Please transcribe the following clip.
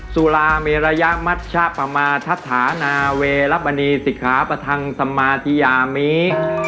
สุราเมระยะมัชชะปมาทัศานาเวรบณีสิขาประทังสมาธิยามี